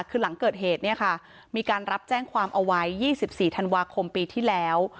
คือหลังเกิดเหตุเนี่ยค่ะมีการรับแจ้งความเอาไว้๒๔ธันวาคมปีที่แล้ว